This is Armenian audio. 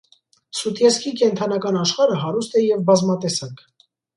Սուտյեսկի կենդանական աշխարհը հարուստ է և բազմատեսակ։